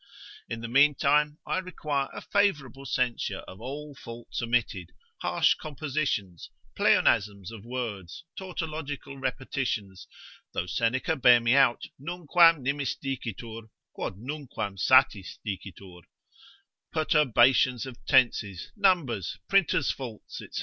In the mean time I require a favourable censure of all faults omitted, harsh compositions, pleonasms of words, tautological repetitions (though Seneca bear me out, nunquam nimis dicitur, quod nunquam satis dicitur) perturbations of tenses, numbers, printers' faults, &c.